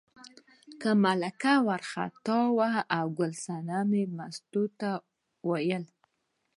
له ملکه وار خطا و، ګل صنمې مستو ته وویل.